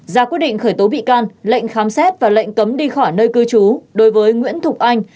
ra quyết định khởi tố bị can lệnh khám xét và lệnh cấm đi khỏi nơi cư trú đối với nguyễn thục anh